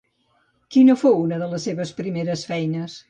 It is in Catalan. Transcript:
Quina fou una de les seves primeres feines?